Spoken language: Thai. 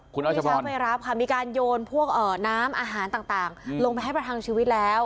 คุณอาชีก็ไปรับค่ะมีการโยนพวกน้ำอาหารต่างลงไปให้ประทังชีวิตแล้ว